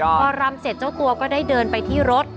พอรำเสร็จเจ้าตัวก็ได้เดินไปที่รถ